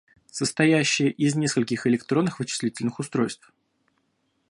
Состоящая из нескольких электронных вычислительных устройств.